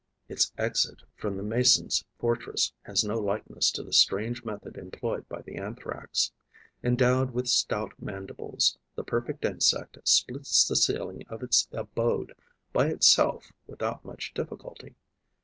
Its exit from the Mason's fortress has no likeness to the strange method employed by the Anthrax. Endowed with stout mandibles, the perfect insect splits the ceiling of its abode by itself without much difficulty.